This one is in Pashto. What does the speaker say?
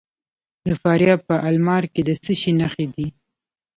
د فاریاب په المار کې د څه شي نښې دي؟